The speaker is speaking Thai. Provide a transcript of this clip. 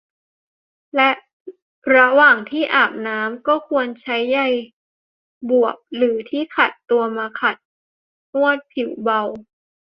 และระหว่างที่อาบน้ำก็ควรใช้ใยบวบหรือที่ขัดตัวมาขัดนวดผิวเบา